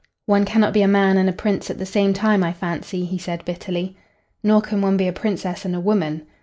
"One cannot be a man and a prince at the same time, I fancy," he said, bitterly. "Nor can one be a princess and a woman."